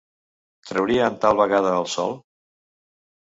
Traurien, tal vegada el sol?